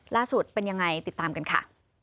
ล่าสุดเป็นยังไงติดตามกันค่ะ